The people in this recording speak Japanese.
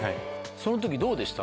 その時どうでした？